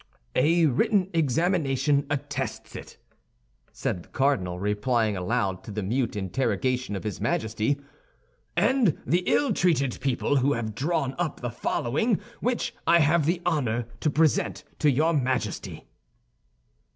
"A written examination attests it," said the cardinal, replying aloud to the mute interrogation of his Majesty; "and the ill treated people have drawn up the following, which I have the honor to present to your Majesty."